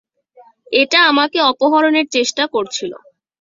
এটা আমাকে অপহরণের চেষ্টা করছিল।